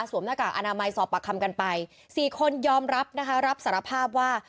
หน้ากากอนามัยสอบปากคำกันไป๔คนยอมรับนะคะรับสารภาพว่า